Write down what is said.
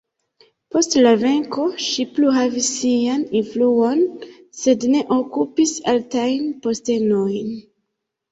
Post la venko ŝi plu havis sian influon, sed ne okupis altajn postenojn.